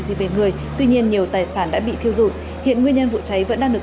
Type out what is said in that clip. gì về người tuy nhiên nhiều tài sản đã bị thiêu dụi hiện nguyên nhân vụ cháy vẫn đang được